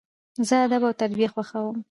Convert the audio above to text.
زه ادب او تربیه خوښوم.